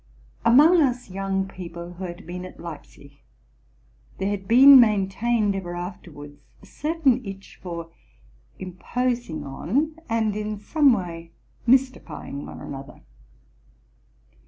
Among us young people who had been at Leipzig, there had been maintained ever afterwards a cer tain itch for imposing on and in some way mystifying one another.